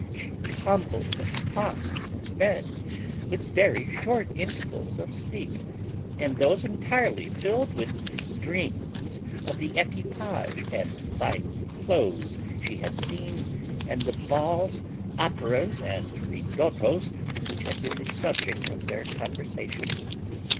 She tumbled and tossed in her bed, with very short intervals of sleep, and those entirely filled with dreams of the equipage and fine clothes she had seen, and the balls, operas, and ridottos, which had been the subject of their conversation.